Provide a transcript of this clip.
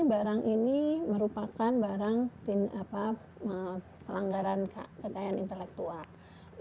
barang ini merupakan barang pelanggaran kekayaan intelektual